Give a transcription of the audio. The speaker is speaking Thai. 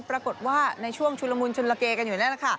ปรากฏว่าในช่วงชุนละมุนชุนละเกกันอยู่แล้ว